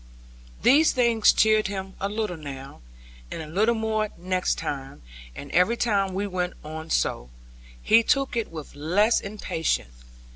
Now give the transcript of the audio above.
These things cheered him a little now, and a little more next time; and every time we went on so, he took it with less impatience.